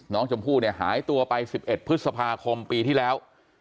น้องชมพู่เนี่ยหายตัวไป๑๑พฤษภาคมปีที่แล้ว